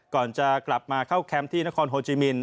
ก่อนจะกลับมาเข้าแคมป์ที่นครโฮจิมิน